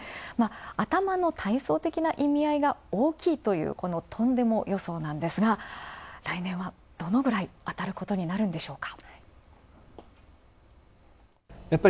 頭の体操的な意味合いが大きいというこのとんでも予想なんですが、来年はどのくらい当たることになるんでしょうか。